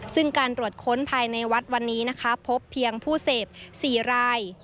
ซึ่งการตรวจค้นภายในวัดวันนี้นะคะพบเพียงผู้เสพ๔ราย